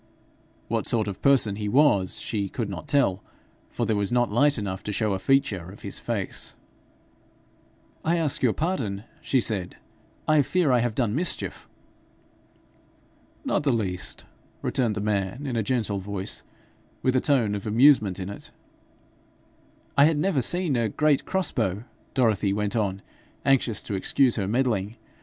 What sort of person he was she could not tell, for there was not light enough to show a feature of his face. 'I ask your pardon,' she said; 'I fear I have done mischief.' 'Not the least,' returned the man, in a gentle voice, with a tone of amusement in it. 'I had never seen a great cross bow,' Dorothy went on, anxious to excuse her meddling.